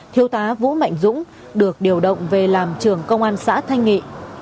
thiêu tá vũ mạnh dũng được điều động về làm trường công an xã thanh nghị